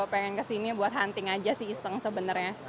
pengen ke sini buat hunting aja sih iseng sebenarnya